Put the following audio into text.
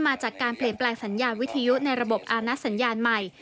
มาจากการเปลี่ยนแปลงสัญญาวิทยุในระบบอาณัสสัญญาณใหม่